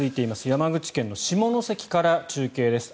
山口県の下関から中継です。